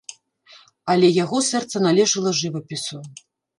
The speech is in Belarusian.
Але яго сэрца належала жывапісу.